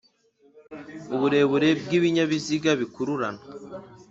Uburebure bw’ibinyabiziga bikururana